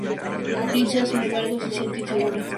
Lisa, sin embargo, se siente insegura.